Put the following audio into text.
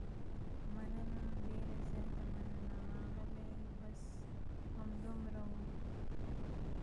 مننه، ډېره زیاته مننه، اغلې، بس همدومره و.